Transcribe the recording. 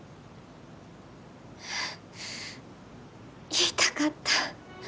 言いたかった。